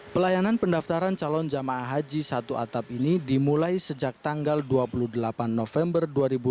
pelayanan pendaftaran calon jamaah haji satu atap ini dimulai sejak tanggal dua puluh delapan november dua ribu dua puluh